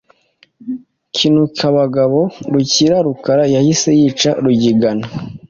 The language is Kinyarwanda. Kinukabagabo Rukiri, Rukara yahise yica Rugigana